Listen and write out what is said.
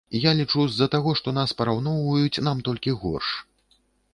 Я лічу, з-за таго, што нас параўноўваюць, нам толькі горш.